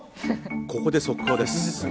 ここで速報です。